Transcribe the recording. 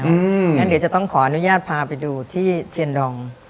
งั้นเดี๋ยวจะต้องขออนุญาตพาไปดูที่เชียนดอง